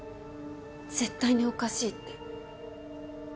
絶対におかしいって。